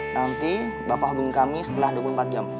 nanti bapak hubungi kami setelah dua puluh empat jam